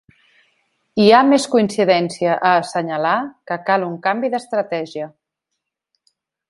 Hi ha més coincidència a assenyalar que cal un canvi d’estratègia.